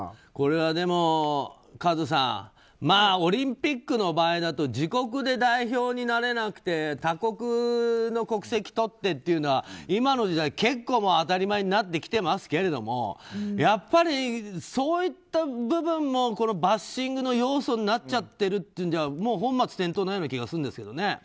これはでも和津さんオリンピックの場合だと自国で代表になれなくて他国の国籍とってというのは今の時代、結構当たり前になってきていますけれどもやっぱりそういった部分もバッシングの要素になっちゃってるというのでは本末転倒のような気がするんですよね。